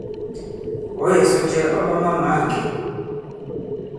Ɔ̌ yɛ̀ sɔ cɛ ɔ̂ ɓa ma-màa kɛ̄?